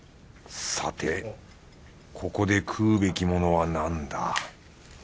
さてここで食うべきものはなんだ？